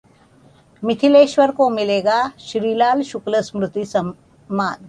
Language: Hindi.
मिथिलेश्वर को मिलेगा श्रीलाल शुक्ल स्मृति सम्मान